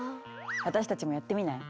私たちもやってみない？